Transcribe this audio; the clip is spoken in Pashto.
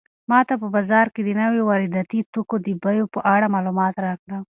ماته په بازار کې د نويو وارداتي توکو د بیو په اړه معلومات راکړه.